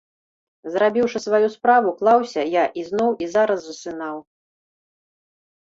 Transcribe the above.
Зрабіўшы сваю справу, клаўся я ізноў і зараз засынаў.